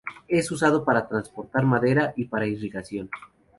Es usado para transportar madera y para irrigación.